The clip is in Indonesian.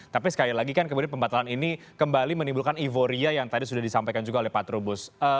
tapi sekali lagi kan kemudian pembatalan ini kembali menimbulkan euforia yang tadi sudah disampaikan juga oleh pak trubus